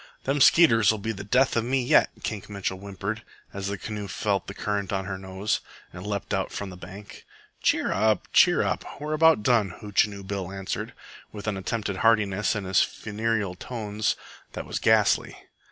"Them skeeters'll be the death of me yet," Kink Mitchell whimpered, as the canoe felt the current on her nose, and leaped out from the bank "Cheer up, cheer up. We're about done," Hootchinoo Bill answered, with an attempted heartiness in his funereal tones that was ghastly.